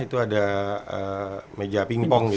itu ada meja pingpong